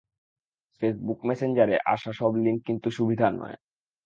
Facebook মেসেঞ্জারে আসা সব লিংক কিন্তু সুবিধার নয়।